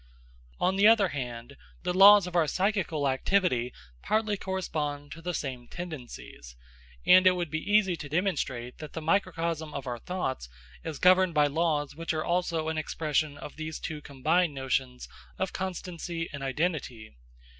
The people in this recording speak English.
On the other hand, the laws of our psychical activity partly correspond to the same tendencies, and it would be easy to demonstrate that the microcosm of our thoughts is governed by laws which are also an expression of these two combined notions of constancy and identity.